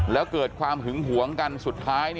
แล้วเกิดความหึงหวงกันสุดท้าย